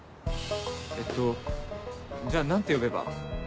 えっとじゃあ何て呼べば？